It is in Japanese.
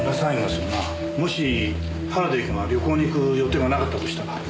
もし原田由紀が旅行に行く予定がなかったとしたら。